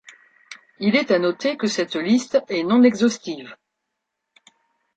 Il est à noter que cette liste est non-exhaustive.